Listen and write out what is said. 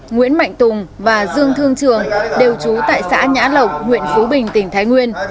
nguyễn mạnh tùng và dương thương trường đều trú tại xã nhã lộc nguyễn phú bình tỉnh thái nguyên